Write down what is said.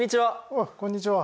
あっこんにちは。